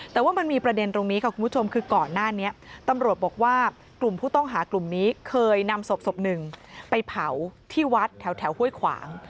แต่ว่ามันมีประเด็นตรงนี้ค่ะคุณผู้ชมคือก่อนหน้านี้ตำรวจบอกว่ากลุ่มผู้ต้องหากลุ่มนี้เคยนำศพหนึ่งไปเผาที่วัดแถวห้วยขวาง